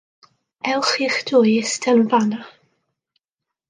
Ewch chi'ch dwy i ista'n fan 'na.